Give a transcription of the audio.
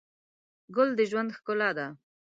ګل د ژوند ښکلا ده.